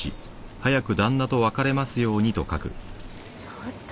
ちょっと。